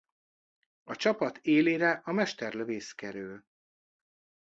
A csapat élére a mesterlövész kerül.